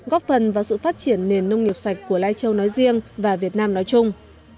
góp phần vào sự phát triển nền nông nghiệp sạch của lai châu nói riêng và việt nam nói chung